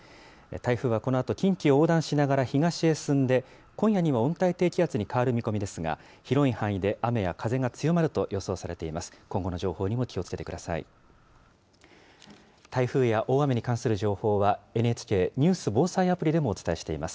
台風はこのあと近畿を横断しながら東へ進んで、今夜には温帯低気圧に変わる見込みですが、広い範囲で雨や風が強まると予想されています。